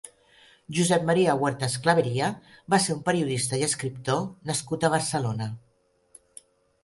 Josep Maria Huertas Claveria va ser un periodista i escriptor nascut a Barcelona.